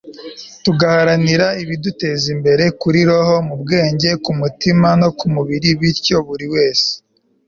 tugaharanira ibiduteza imbere, kuri roho, mu bwenge, ku mutima no ku mubiri, bityo buri wese